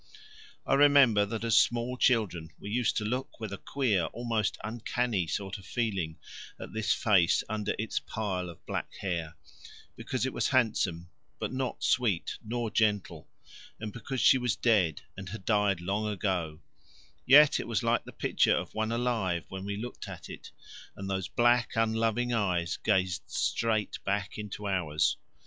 I remember that as small children we used to look with a queer, almost uncanny sort of feeling at this face under its pile of black hair, because it was handsome but not sweet nor gentle, and because she was dead and had died long ago; yet it was like the picture of one alive when we looked at it, and those black unloving eyes gazed straight back into ours.